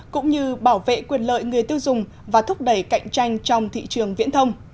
cũng như bảo vệ quyền lợi người tiêu dùng và thúc đẩy cạnh tranh trong thị trường viễn thông